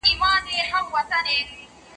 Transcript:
سالم ذهن انرژي نه کموي.